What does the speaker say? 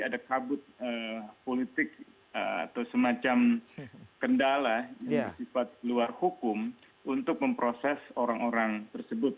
ada kabut politik atau semacam kendala yang bersifat luar hukum untuk memproses orang orang tersebut